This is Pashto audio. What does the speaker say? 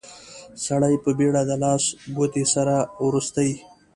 سړي په بيړه د لاس ګوتې سره وروستې.